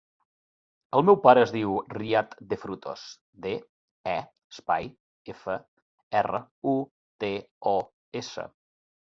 El meu pare es diu Riyad De Frutos: de, e, espai, efa, erra, u, te, o, essa.